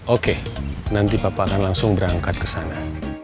oke nanti papa akan langsung berangkat kesana